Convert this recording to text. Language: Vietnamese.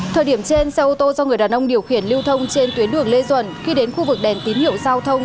thời điểm trên xe ô tô do người đàn ông điều khiển lưu thông trên tuyến đường lê duẩn khi đến khu vực đèn tín hiệu giao thông